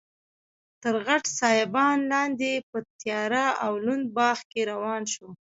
تر غټ سایبان لاندې په تیاره او لوند باغ کې روان شوو.